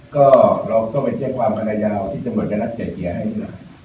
๘๘๔บิหารก็ต้องมาเชื่อกว่ามันนานยาวที่ตนโกยกลับนักแฉเขียร์ในภาค